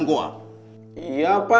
tiga orang pemuda yang terjebak di dalam